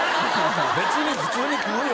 別に普通に食うよ。